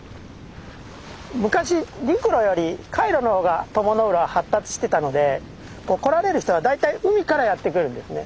昔陸路より海路の方が鞆の浦は発達してたので来られる人は大体海からやって来るんですね。